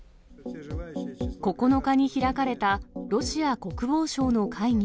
９日に開かれたロシア国防省の会議。